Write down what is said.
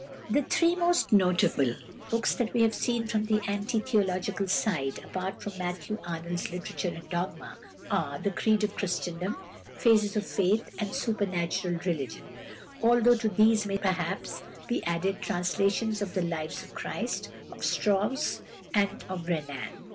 The three most notable books that we have seen from the anti theological side, apart from Matthew Arnold's "Literature and Dogma," are "The Creed of Christendom," "Phases of Faith," and "Supernatural Religion," although to these may perhaps be added translations of the Lives of Christ, of Strauss, and of Renan.